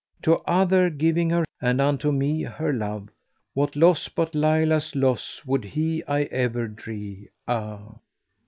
To other giving her and unto me her love, * What loss but Layla's loss would He I ever dree, ah!"